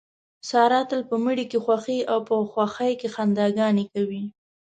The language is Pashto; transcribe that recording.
ساره تل په مړي کې خوښي او په خوښۍ کې خندا ګانې کوي.